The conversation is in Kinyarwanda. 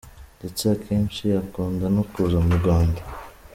Ndetse akenshi akunda no kuza mu Rwanda.